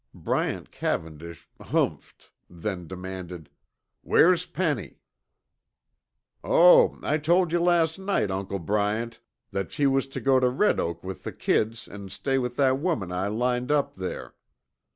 Bryant Cavendish "h'mphed," then demanded, "where's Penny?" "Oh, I told you last night, Uncle Bryant, that she was to go to Red Oak with the kids an' stay with that woman I lined up there."